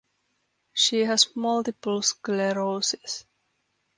She has multiple sclerosis.